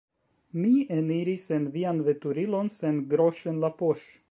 Mi eniris en vian veturilon sen groŝ' en la poŝ'